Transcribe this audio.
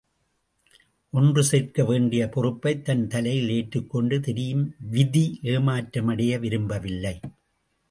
ஒன்று சேர்க்க வேண்டிய பொறுப்பைத் தன் தலையில் ஏற்றுக்கொண்டு திரியும் விதி ஏமாற்றமடைய விரும்பவில்லை.